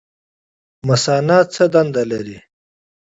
مثانه څه دنده لري؟